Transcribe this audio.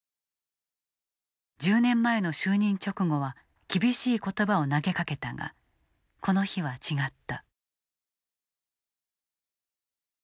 １０年前の就任直後は厳しい言葉を投げかけたがこの日は違った。